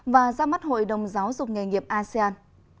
và ra mắt hội đồng giáo dục nghề nghiệp asean